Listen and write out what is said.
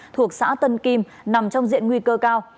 thuộc xã tân kim nằm trong diện nguy cơ cao